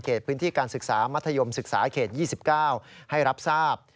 พื้นที่การศึกษามัธยมศึกษาเขต๒๙ให้รับทราบ